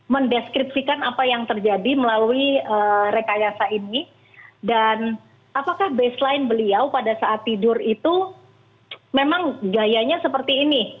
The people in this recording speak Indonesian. mendeskripsikan apa yang terjadi melalui rekayasa ini dan apakah baseline beliau pada saat tidur itu memang gayanya seperti ini